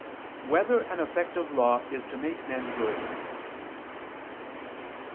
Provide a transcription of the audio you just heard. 1] Whether an Effect of Law Is to Make Men Good?